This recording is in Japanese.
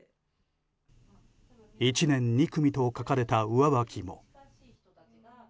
１年２組と書かれた上履きも。